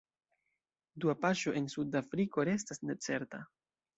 Dua paŝo en Sud-Afriko restas necerta.